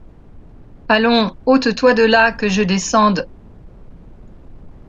Allons, ôte-toi de là, que je descende...